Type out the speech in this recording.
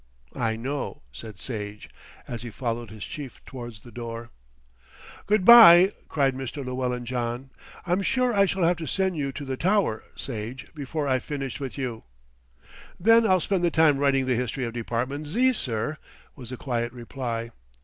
"I know," said Sage, as he followed his chief towards the door. "Good bye," cried Mr. Llewellyn John. "I'm sure I shall have to send you to the Tower, Sage, before I've finished with you." "Then I'll spend the time writing the History of Department Z., sir," was the quiet reply.